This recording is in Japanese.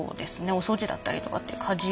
お掃除だったりとか。